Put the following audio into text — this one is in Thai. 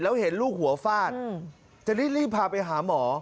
แล้วเห็นลูกหัวฟาดจะรีบพาไปหาหมอ